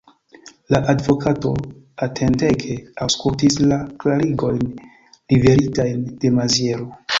La advokato atentege aŭskultis la klarigojn liveritajn de Maziero.